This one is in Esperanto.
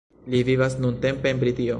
Li vivas nuntempe en Britio.